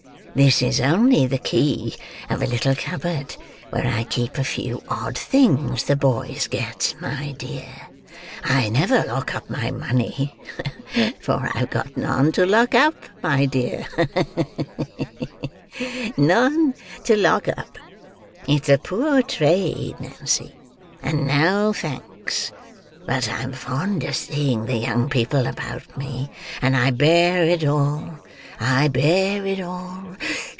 This is only the key of a little cupboard where I keep a few odd things the boys get, my dear. I never lock up my money, for I've got none to lock up, my dear—ha! ha! ha!—none to lock up. It's a poor trade, Nancy, and no thanks; but I'm fond of seeing the young people about me; and I bear it all, I bear it all.